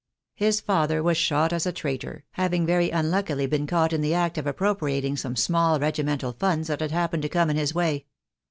His father was shot as a traitor, having very unluckily been caught in the fact of appro priating some small regimental funds that happened to come in his way.